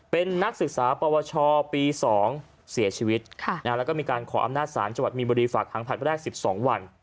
เป็นนักศึกษาปวชปี๒เสียชีวิตแล้วก็มีการขออำนาจศาลจังหวัดมีบุรีฝากหางผลัดแรก๑๒วัน